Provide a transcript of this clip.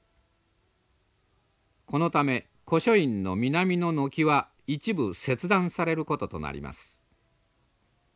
このため古書院の南の軒は一部切断されることとなります。